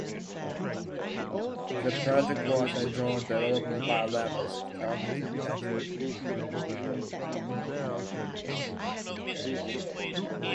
The project was a joint development by Lambeth Council and Tesco.